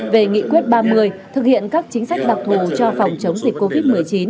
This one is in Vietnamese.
về nghị quyết ba mươi thực hiện các chính sách đặc thù cho phòng chống dịch covid một mươi chín